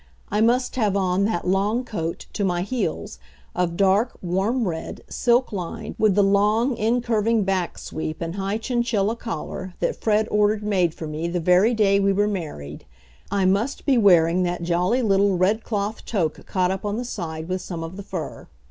I must have on that long coat to my heels, of dark, warm red, silk lined, with the long, incurving back sweep and high chinchilla collar, that Fred ordered made for me the very day we were married. I must be wearing that jolly little, red cloth toque caught up on the side with some of the fur.